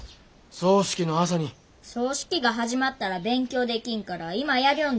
葬式が始まったら勉強できんから今やりょんじゃ。